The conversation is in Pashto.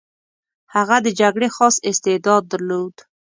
هغه د جګړې خاص استعداد درلود.